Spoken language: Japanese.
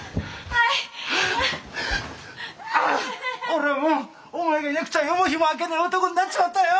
俺はもうお前がいなくちゃ夜も日も明けねえ男になっちまったよ！